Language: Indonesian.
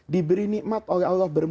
diberi nikmat oleh allah